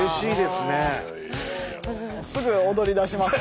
すぐ踊りだしますから。